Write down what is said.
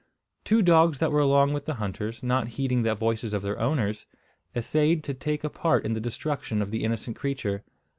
Two dogs that were along with the hunters, not heeding the voices of their owners, essayed to take a part in the destruction of the innocent creature.